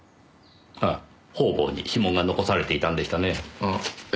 あっ方々に指紋が残されていたんでしたねえ。